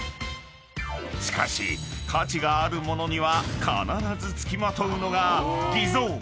［しかし価値がある物には必ず付きまとうのが偽造］